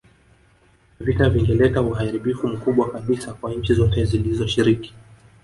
Vita vingeleta uharibifu mkubwa kabisa kwa nchi zote zilizoshiriki